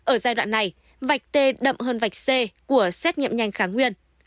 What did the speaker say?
ở giai đoạn này vạch tê đậm hơn vạch c của xét nghiệm nhanh kháng nguyên